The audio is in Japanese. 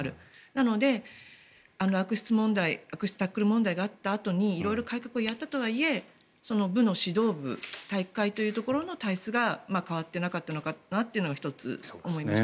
なので悪質タックル問題があった時に色々改革をやったとはいえ部の指導部体育会系という体質が変わってなかったのかなと１つ思いました。